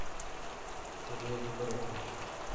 Hûn ê bibiriqin.